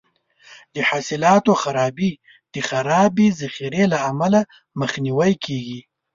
د حاصلاتو خرابي د خرابې ذخیرې له امله مخنیوی کیږي.